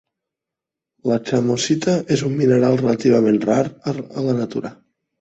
La chamosita és un mineral relativament rar a la natura.